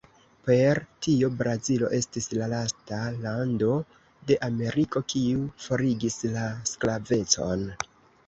Per tio Brazilo estis la lasta lando de Ameriko, kiu forigis la sklavecon.